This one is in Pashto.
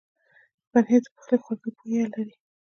پنېر د پخلي خوږه بویه لري.